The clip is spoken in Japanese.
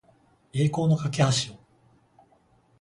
栄光の架橋を